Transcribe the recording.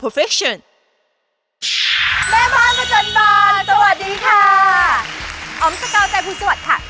อ๋อมสกาวใจพูดสวัสดิ์ค่ะ